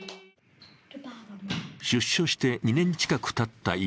出所して２年近くたった